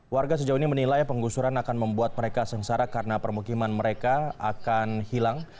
warga sejauh ini menilai penggusuran akan membuat mereka sengsara karena permukiman mereka akan hilang